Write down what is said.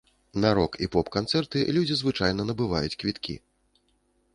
На рок- і поп-канцэрты людзі звычайна набываюць квіткі.